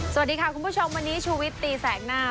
สวัสดีค่ะคุณผู้ชมวันนี้ชูวิตตีแสกหน้า